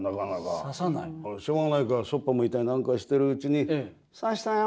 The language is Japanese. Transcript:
しょうがないからそっぽ向いたりなんかしてるうちに「指したよ」。